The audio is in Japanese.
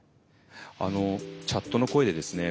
チャットの声でですね